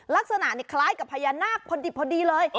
ลักษณะคล้ายกับพญานาคพอดีเลย